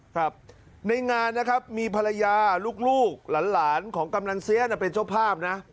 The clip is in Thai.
ครับในงานนะครับมีภรรยาลูกหลานของกำนันเสียเป็นเจ้าภาพนะ